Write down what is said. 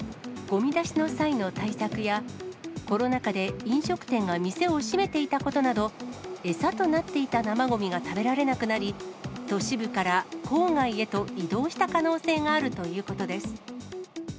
ごみ出しの際の対策や、コロナ禍で飲食店が店を閉めていたことなど、餌となっていた生ごみが食べられなくなり、都市部から郊外へと移動した可能性があるということです。